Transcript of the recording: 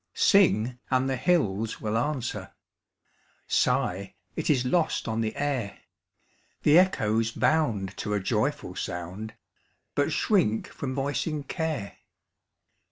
Sing, and the hills will answer; Sigh, it is lost on the air; The echoes bound to a joyful sound, But shrink from voicing care.